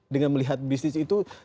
dengan melihat bisnis itu